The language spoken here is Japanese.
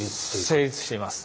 成立しています。